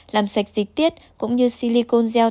làm sạch dịch tiết cũng như silicone gel